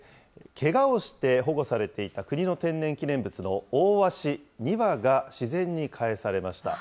けがをして保護されていた国の天然記念物のオオワシ２羽が、自然に帰されました。